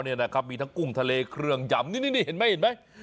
นี่นะครับมีทั้งกุ้งทะเลเครื่องยำนี่เห็นไหมเห็นไหม